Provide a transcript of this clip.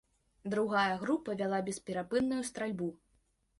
Другая група вяла бесперапынную стральбу.